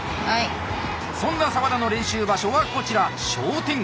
そんな澤田の練習場所はこちら商店街。